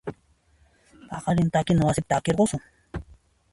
Paqarin takina wasipi tarikusun.